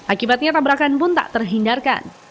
akibatnya tabrakan pun tak terhindarkan